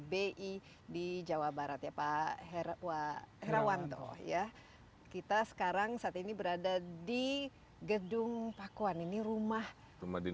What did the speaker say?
bi di jawa barat ya pak herawa herawanto ya kita sekarang saat ini berada di gedung pakuan ini rumah rumah di